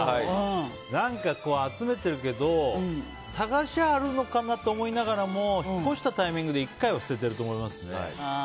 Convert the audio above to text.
何か集めてるけど探せばあるのかなと思いながらも引っ越したタイミングで１回は捨てているのかなと思いますよね。